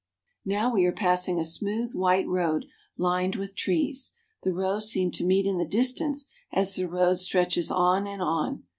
Now we are passing a smooth white road lined with trees; the rows seem to meet in the distance as the road stretches on and on.